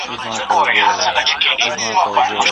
یو جهاني نه یم چي په دام یې کښېوتلی یم